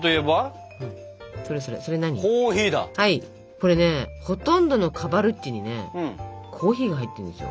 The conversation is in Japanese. これねほとんどのカバルッチにねコーヒーが入ってるんですよ。